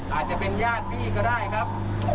อาจจะเป็นญาติพี่ก็ได้ครับ